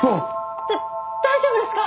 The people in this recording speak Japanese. だ大丈夫ですか？